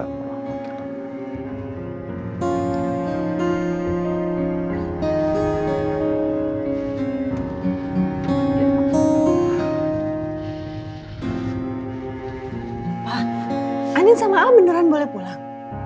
pak andin sama al beneran boleh pulang